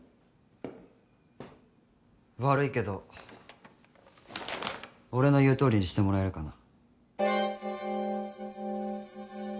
悪いけど俺の言うとおりにしてもらえるかな？